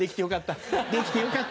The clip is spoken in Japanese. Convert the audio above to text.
よかった。